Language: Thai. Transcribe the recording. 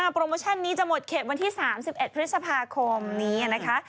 โปรโมชั่นนี้จะหมดเขตวันที่๓๑พฤษภาคมนี้นะคะ